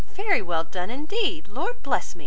very well done indeed! Lord bless me!